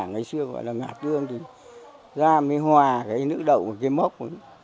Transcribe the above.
ngày xưa gọi là ngả tương thì ra mới hòa cái nước đậu của cái mốc ấy